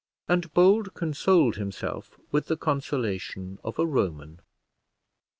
And Bold consoled himself with the consolation of a Roman.